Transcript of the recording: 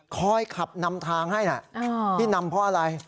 คอยขับนำทางให้นะที่นำเพราะอะไร